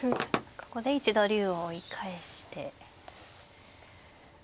ここで一度竜を追い返して。